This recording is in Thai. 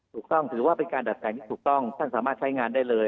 ถูกต้องถือว่าเป็นการดัดแปลงที่ถูกต้องท่านสามารถใช้งานได้เลย